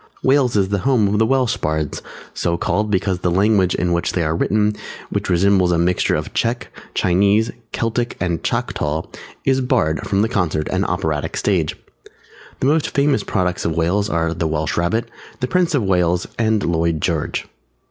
_ Wales is the home of the Welsh bards so called because the language in which they are written, which resembles a mixture of Chech, Chinese, Celtic and Chocktaw, is barred from the concert and operatic stage. The most famous products of Wales are the Welsh Rabbit, the Prince of Wales and Lloyd George.